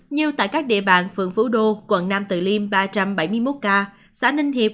như tại các địa bàn phường phú đô quận nam từ liêm ba trăm bảy mươi một ca xã ninh hiệp